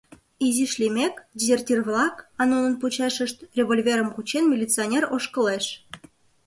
Изиш лиймек — дезертир-влак, а нунын почешышт, револьверым кучен, милиционер ошкылеш.